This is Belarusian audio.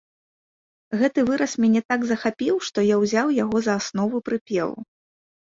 Гэты выраз мяне так захапіў, што я ўзяў яго за аснову прыпеву.